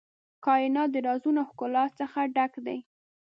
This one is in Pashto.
کائنات د رازونو او ښکلا څخه ډک دی.